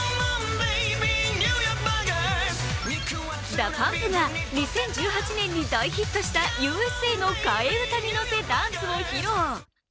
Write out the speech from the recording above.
ＤＡＰＵＭＰが２０１８年に大ヒットした「Ｕ．Ｓ．Ａ．」の替え歌にのせダンスを披露。